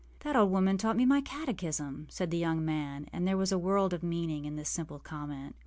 âThat old woman taught me my catechism,â said the young man; and there was a world of meaning in this simple comment.